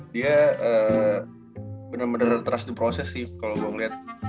dia benar benar trust the process sih kalau gue ngeliat